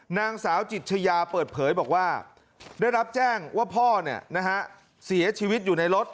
นางสาวจิตชยาเปิดเผยบอกว่าได้รับแจ้งว่าพ่อเสียชีวิตอยู่ในรถ